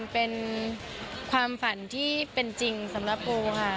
เป็นความฝันที่เป็นจริงสำหรับปูค่ะ